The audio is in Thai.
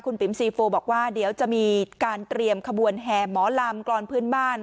ปิ๋มซีโฟบอกว่าเดี๋ยวจะมีการเตรียมขบวนแห่หมอลำกรอนพื้นบ้าน